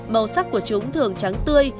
màu sắc của chúng thường trắng tươi